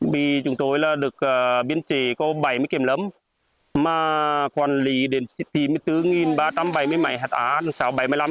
vì chúng tôi là được biến trị có bảy mươi kiểm lâm mà quản lý đến bảy mươi bốn ba trăm bảy mươi mảy hạt á